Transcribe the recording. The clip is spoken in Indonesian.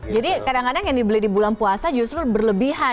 jadi kadang kadang yang dibeli di bulan puasa justru berlebihan